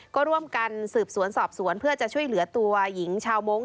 ก็ร่วมกันสืบสวนสอบสวนเพื่อจะช่วยเหลือตัวหญิงชาวมงค